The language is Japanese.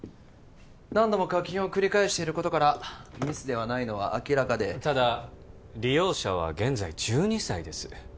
何度も課金を繰り返していることからミスではないのは明らかでただ利用者は現在１２歳です